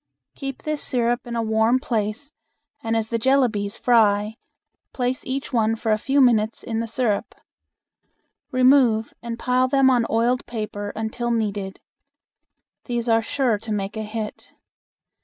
Keep this syrup in a warm place and as the jellabies fry place each one for a few minutes in the syrup. Remove and pile them on oiled paper until needed. These are sure to make a hit.